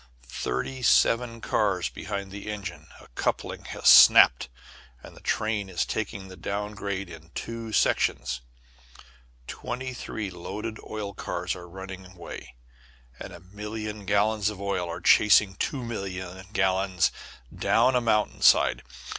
Thirty seven cars behind the engine a coupling has snapped, and the train is taking the down grade in two sections: twenty three loaded oil cars are running away, and a million gallons of oil are chasing two million gallons down a mountain side!